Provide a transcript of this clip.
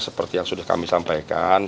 seperti yang sudah kami sampaikan